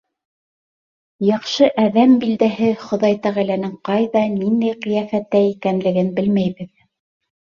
Яҡшы әҙәм билдәһе — Хоҙай Тәғәләнең ҡайҙа, ниндәй ҡиәфәттә икәнлеген белмәйбеҙ.